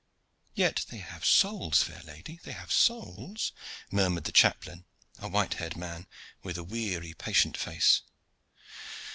"Yet they have souls, fair lady, they have souls!" murmured the chaplain, a white haired man with a weary, patient face.